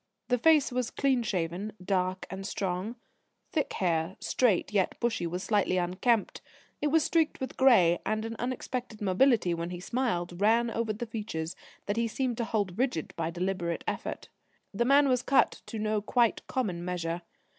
The face was clean shaven, dark, and strong; thick hair, straight yet bushy, was slightly unkempt; it was streaked with grey; and an unexpected mobility when he smiled ran over the features that he seemed to hold rigid by deliberate effort. The man was cut to no quite common measure.